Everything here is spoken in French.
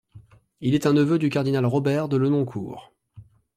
Il est un neveu du cardinal Robert de Lenoncourt.